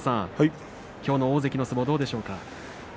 きょうの大関の相撲どうでしょうか。